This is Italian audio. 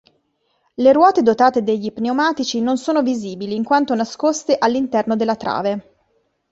Le ruote dotate degli pneumatici non sono visibili in quanto nascoste all'interno della trave.